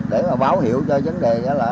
để mà báo hiệu cho vấn đề